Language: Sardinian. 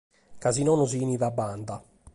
Ca si nono si finit a banda.